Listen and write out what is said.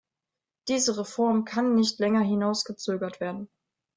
Diese Reform kann nicht länger hinausgezögert werden.